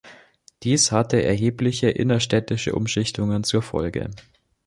Dies hatte erhebliche innerstädtische Umschichtungen zur Folge.